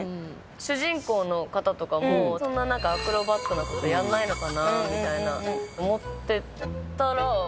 主人公の方とかもそんなアクロバットなことやんないのかなみたいな思ってたらぴょんぴょん跳んだりとかね。